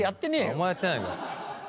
お前やってないんだ。